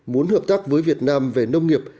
muốn hợp tác với việt nam về nông nghiệp